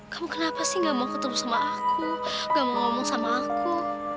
kamu kenapa sih gak mau ketemu sama aku gak mau ngomong sama aku